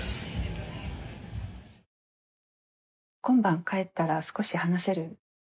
今晩帰ったら少し話せる？